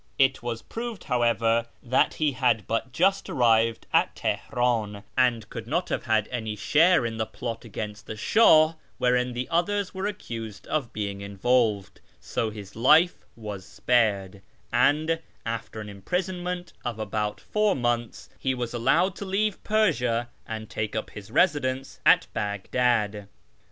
It was proved, however, that he had but just arrived at Teheran, and could not have had any share in the plot against the Sh;ih wherein the others were accused of being involved, so his life was spared, and, after an imprison ment of about four months, he was allowed to leave Persia and take up his residence at Baghdad.